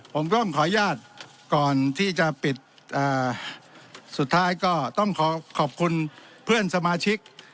ผมต้องขออนุญาตก่อนที่จะปิดสุดท้ายก็ต้องขอขอบคุณเพื่อนสมาชิก